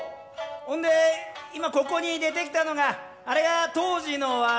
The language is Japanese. ほんで今ここに出てきたのがあれが当時の儂。